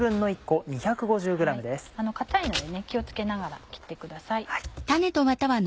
硬いので気を付けながら切ってください。